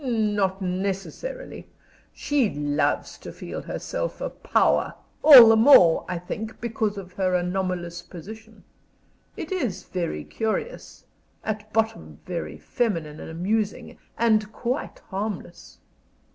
Not necessarily. She loves to feel herself a power all the more, I think, because of her anomalous position. It is very curious at bottom very feminine and amusing and quite harmless."